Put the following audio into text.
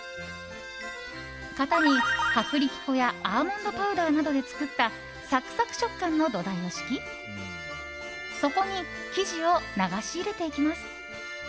型に、薄力粉やアーモンドパウダーなどで作ったサクサク食感の土台を敷きそこに生地を流し入れていきます。